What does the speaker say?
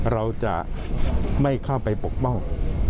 เราจะไม่เข้าไปปกป้อง